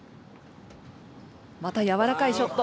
またやわらかいショット。